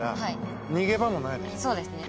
そうですね。